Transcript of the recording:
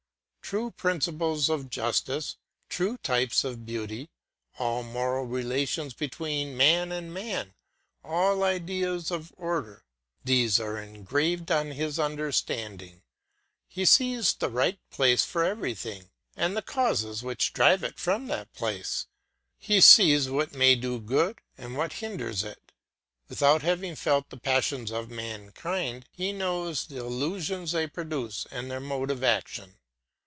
True principles of justice, true types of beauty, all moral relations between man and man, all ideas of order, these are engraved on his understanding; he sees the right place for everything and the causes which drive it from that place; he sees what may do good, and what hinders it. Without having felt the passions of mankind, he knows the illusions they produce and their mode of action.